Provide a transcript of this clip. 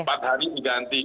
empat hari diganti